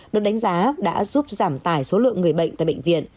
được đánh giá đã giúp giảm tải số lượng người bệnh tại bệnh viện